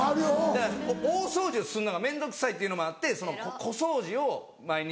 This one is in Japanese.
だから大掃除をすんのが面倒くさいっていうのもあって小掃除を毎日。